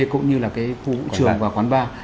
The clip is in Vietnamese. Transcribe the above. cũng như là khu trường và quán bar